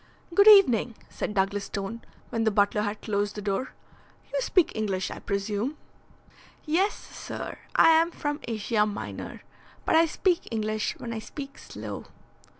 "Good evening," said Douglas Stone, when the butler had closed the door. "You speak English, I presume?" "Yes, sir. I am from Asia Minor, but I speak English when I speak slow."